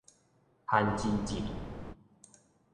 番薯糋